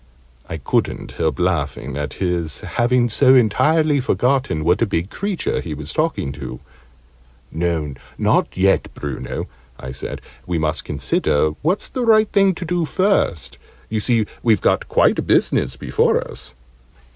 I couldn't help laughing at his having so entirely forgotten what a big creature he was talking to. "No, not yet, Bruno," I said: "we must consider what's the right thing to do first. You see we've got quite a business before us."